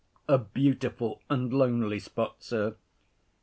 A beautiful and lonely spot, sir.